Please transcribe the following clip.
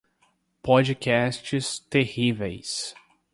Podcasts terríveis